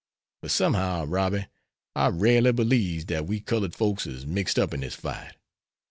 But, somehow, Robby, I ralely b'lieves dat we cullud folks is mixed up in dis fight.